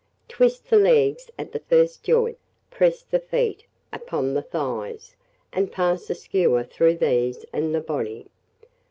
Twist the legs at the first joint, press the feet upon the thighs, and pass a skewer through these and the body.